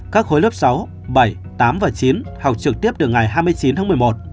các khối lớp sáu bảy tám và chín học trực tiếp từ ngày hai mươi chín tháng một mươi một